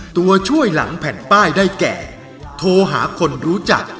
ตัวช่วยหลังแผ่นป้ายได้แก่โทรหาคนรู้จัก